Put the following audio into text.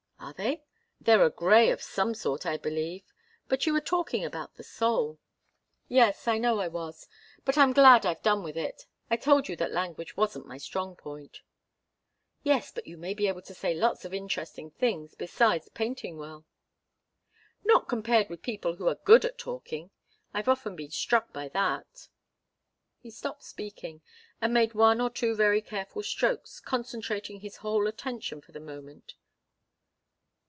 "Are they? They're a grey of some sort, I believe. But you were talking about the soul." "Yes, I know I was; but I'm glad I've done with it. I told you that language wasn't my strong point." "Yes but you may be able to say lots of interesting things, besides painting well." "Not compared with people who are good at talking. I've often been struck by that." He stopped speaking, and made one or two very careful strokes, concentrating his whole attention for the moment.